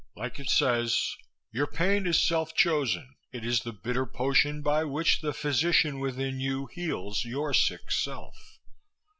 Like it says, 'Your pain is self chosen. It is the bitter potion by which the physician within you heals your sick self.'